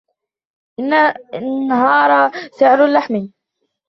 انهار سعر اللحم.